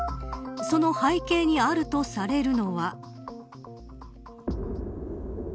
その背景にあるとされるのは。